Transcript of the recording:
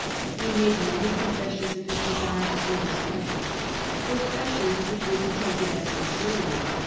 He made many confessions of his desire to serve his country, professions which may be taken as sincere enough.